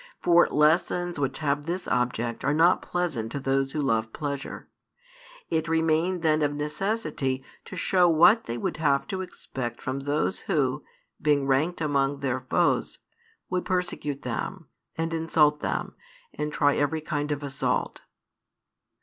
For lessons which have this object are not pleasant to those who love pleasure. It remained then of necessity to show what they would have to expect from those who, being ranked among their foes, would persecute them, and insult them, and try every kind of assault.